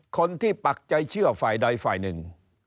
๒คนที่ปักใจเชื่อฝ่ายใดฝ่ายนึง